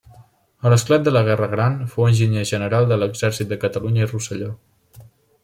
A l'esclat de la Guerra Gran, fou enginyer general de l'exèrcit de Catalunya i Rosselló.